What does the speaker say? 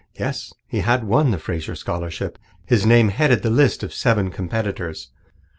Yes, he had won the Fraser Scholarship. His name headed the list of seven competitors.